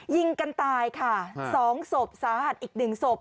ยิงกันตาย๒ศพสะอาดอีก๑ศพ